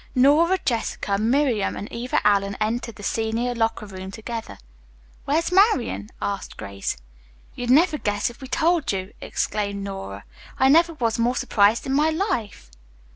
Nora, Jessica, Miriam and Eva Allen entered the senior locker room together. "Where's Marian?" asked Grace. "You'd never guess if we told you," exclaimed Nora. "I never was more surprised in my life."